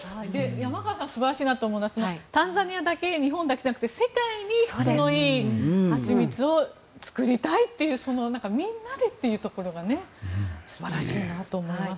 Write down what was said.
山川さんが素晴らしいなと思うのはタンザニアだけ日本だけじゃなくて世界に質のいい蜂蜜を作りたいというみんなでというところが素晴らしいなと思います。